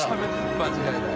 間違いない。